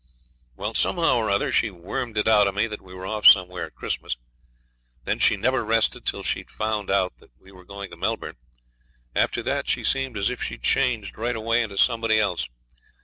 Well, somehow or other she wormed it out of me that we were off somewhere at Christmas. Then she never rested till she'd found out that we were going to Melbourne. After that she seemed as if she'd changed right away into somebody else.